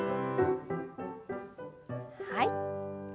はい。